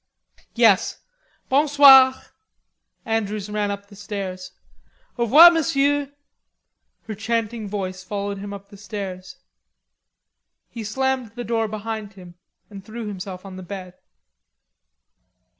"Yes. Bon soir." Andrews ran up the stairs. "Au revoir, Monsieur." Her chanting voice followed him up the stairs. He slammed the door behind him and threw himself on the bed.